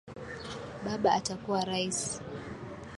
Baba atakuwa rais